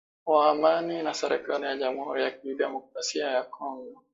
wa amani na serikali ya jamuhuri ya kidemokrasia ya Kongo